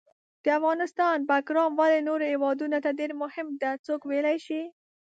د افغانستان باګرام ولې نورو هیوادونو ته ډېر مهم ده، څوک ویلای شي؟